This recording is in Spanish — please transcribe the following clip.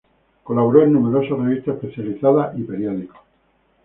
Colaboró en numerosas revistas especializadas y periódicos.